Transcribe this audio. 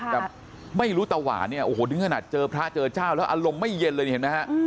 แต่ไม่รู้ตะหวานเนี่ยโอ้โหถึงขนาดเจอพระเจอเจ้าแล้วอารมณ์ไม่เย็นเลยนี่เห็นไหมฮะ